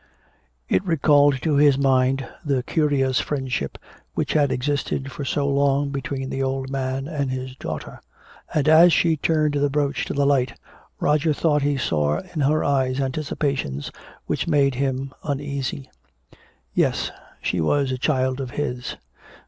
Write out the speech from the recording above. It recalled to his mind the curious friendship which had existed for so long between the old man and his daughter. And as she turned the brooch to the light Roger thought he saw in her eyes anticipations which made him uneasy. Yes, she was a child of his.